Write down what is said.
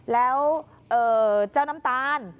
แล้วเจ้าน้ำตาล